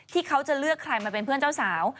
เขาจะเลือกใครมาเป็นเพื่อนเจ้าสาว